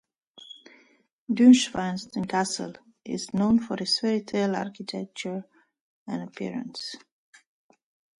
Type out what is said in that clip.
Neuschwanstein Castle is known for its fairy tale architecture and appearance.